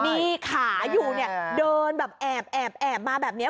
มีขาอยู่เนี่ยเดินแบบแอบมาแบบนี้